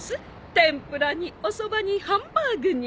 天ぷらにおそばにハンバーグに。